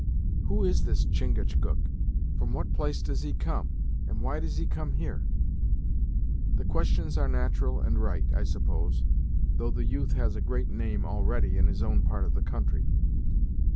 "Who is this Chingachgook; from what place does he come, and why does he come here?" "The questions are nat'ral and right, I suppose, though the youth has a great name, already, in his own part of the country.